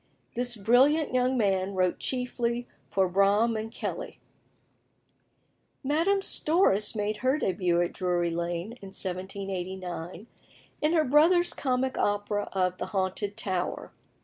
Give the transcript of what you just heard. This brilliant young man wrote chiefly for Braham and Kelly. Madame Storace made her début at Drury Lane, in 1789, in her brother's comic opera of "The Haunted Tower."